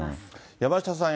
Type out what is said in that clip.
山下さん